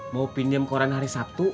mau pinjem korang hari sabtu